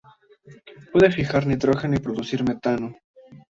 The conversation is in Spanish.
Puede fijar nitrógeno y producir metano.